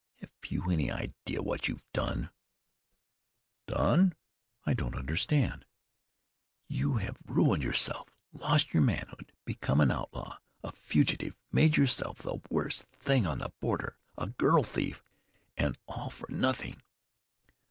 "Have you any idea what you've done?" "Done? I don't understand." "You have ruined yourself, lost your manhood, become an outlaw, a fugitive, made yourself the worst thing on the border a girl thief, and all for nothing."